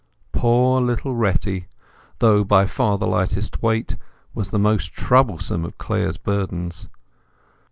Poor little Retty, though by far the lightest weight, was the most troublesome of Clare's burdens.